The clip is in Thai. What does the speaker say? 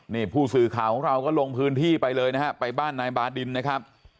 นี่ผู้สื่อข่าวของเราก็ลงพื้นที่ไปเลยนะฮะไปบ้านนายบาดินนะครับ